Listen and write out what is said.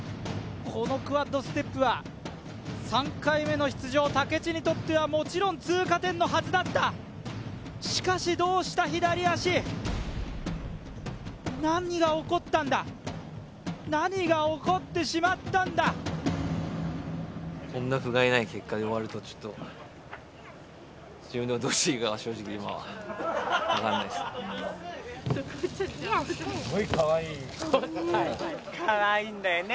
このクワッドステップスは３回目の出場武知にとってはもちろん通過点のはずだったしかしどうした左足何が起こったんだ何が起こってしまったんだこんなふがいない結果で終わるとちょっと自分でもどうしていいか正直今は分かんないですねかわいいんだよね